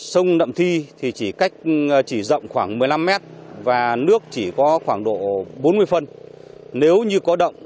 số người lao động tự do trên địa bàn hẻo lánh giáp với biên giới trung quốc